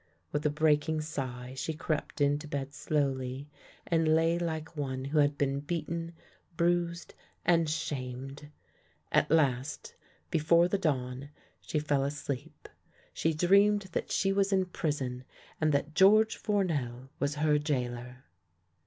With a breaking sigh she crept into bed slowly and lay like one who had been beaten, bruised, and shamed. At last, before the dawn, she fell asleep. She dreamed that she was in prison and that George Fournel was her gaoler.